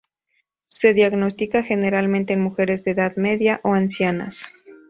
Se diagnostica generalmente en mujeres de edad media o ancianas.